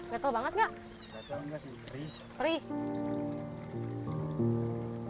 gatal banget gak